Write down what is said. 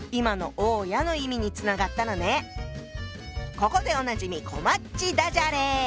ここでおなじみこまっちダジャレ！